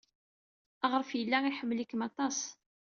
Aɣref yella iḥemmel-ikem aṭas.